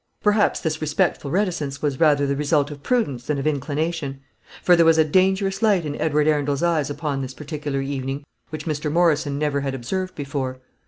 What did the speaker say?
Perhaps this respectful reticence was rather the result of prudence than of inclination; for there was a dangerous light in Edward Arundel's eyes upon this particular evening which Mr. Morrison never had observed before.